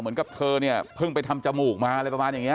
เหมือนกับเธอเนี่ยเพิ่งไปทำจมูกมาอะไรประมาณอย่างนี้